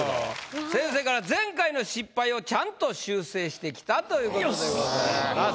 先生から「前回の失敗をちゃんと修正してきた！」ということでございます。